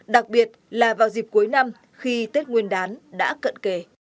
đặc biệt là vào dịp cuối năm khi tết nguyên đán đã cận kề